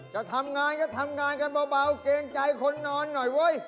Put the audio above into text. จะทำงานก็ทำงานกันเบาเกรงใจคนนอนหน่อยเว้ย